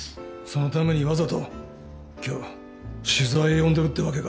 そのためにわざと今日取材を呼んでるってわけか？